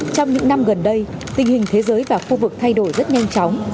trong những năm gần đây tình hình thế giới và khu vực thay đổi rất nhanh chóng